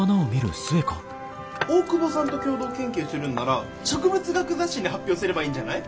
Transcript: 大窪さんと共同研究するんなら植物学雑誌に発表すればいいんじゃない？